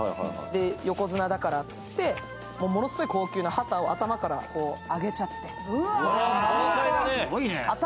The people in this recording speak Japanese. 横綱だからつって、ものすごく高級なハタを揚げちゃって。